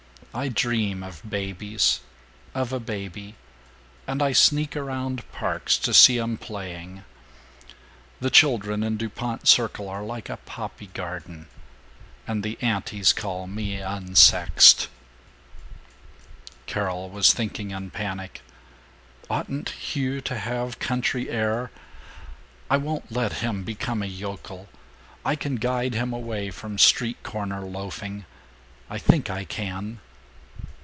I dream of babies of a baby and I sneak around parks to see them playing. (The children in Dupont Circle are like a poppy garden.) And the antis call me 'unsexed'!" Carol was thinking, in panic, "Oughtn't Hugh to have country air? I won't let him become a yokel. I can guide him away from street corner loafing. ... I think I can."